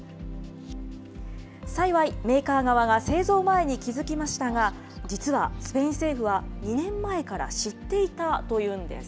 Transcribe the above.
幸いメーカー側が製造前に気付きましたが、実はスペイン政府は２年前から知っていたというんです。